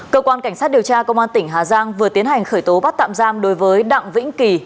cơ quan cảnh sát điều tra công an tỉnh hà giang vừa tiến hành khởi tố bắt tạm giam đối với đặng vĩnh kỳ